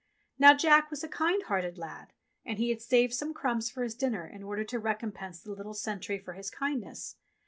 Now Jack was a kind hearted lad, and he had saved some crumbs from his dinner in order to rec ompense the little sentry for his kindness.